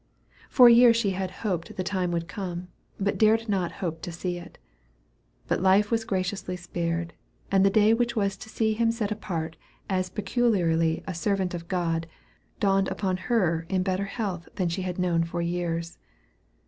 For years she had hoped the time would come, but dared not hope to see it. But life was graciously spared; and the day which was to see him set apart as peculiarly a servant of his God, dawned upon her in better health than she had known for years.